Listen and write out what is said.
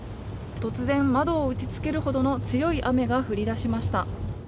突然、窓を打ちつけるほどの強い雨が降り出しました。